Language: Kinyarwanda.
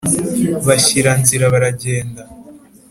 bashyira nzira baragenda,